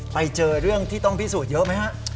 ไปเจอเรื่องที่ต้องพิสูจน์เยอะไหมฮะ